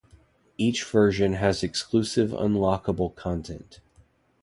Each version had exclusive unlockable content.